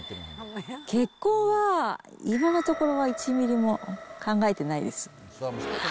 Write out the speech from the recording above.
結婚は、今のところは１ミリも考えてないです。